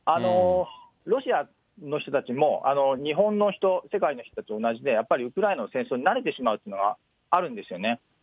ロシアの人たちも、日本の人、世界の人と同じで、やっぱりウクライナの戦争に慣れてしまうっていうのはあるんですよね。